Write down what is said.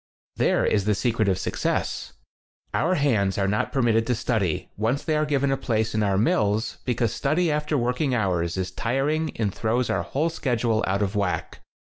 There is the secret of success. Our hands are not permitted to study, once they are given a place in 8 our mills, because study after work ing hours is tiring and throws our whole schedule out of whack.